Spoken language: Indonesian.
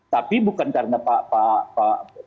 tapi bukan karena ada pak heru